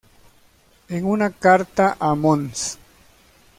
En una carta a Mons.